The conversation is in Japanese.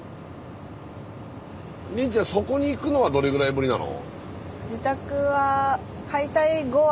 凜ちゃんそこに行くのはどれぐらいぶりなの？